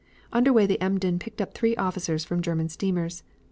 Under way the Emden picked up three officers from German steamers.